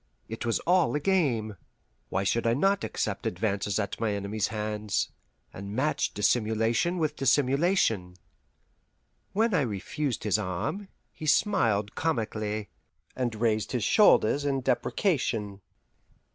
It was all a game; why should I not accept advances at my enemy's hands, and match dissimulation with dissimulation? When I refused his arm, he smiled comically, and raised his shoulders in deprecation.